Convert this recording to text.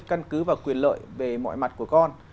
căn cứ và quyền lợi về mọi mặt của con